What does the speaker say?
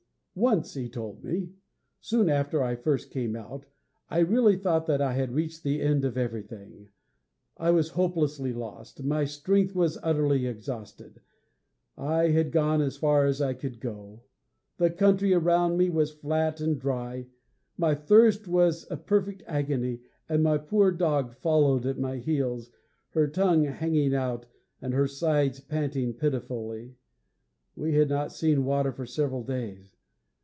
'Once,' he told me, 'soon after I first came out, I really thought that I had reached the end of everything. I was hopelessly lost. My strength was utterly exhausted. I had gone as far as I could go. The country around me was flat and dry; my thirst was a perfect agony; and my poor dog followed at my heels, her tongue hanging out, and her sides panting pitifully. We had not seen water for several days.